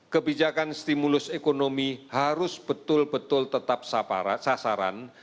kebijakan stimulus ekonomi harus betul betul tetap sasaran